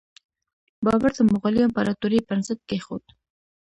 بابر د مغولي امپراتورۍ بنسټ کیښود.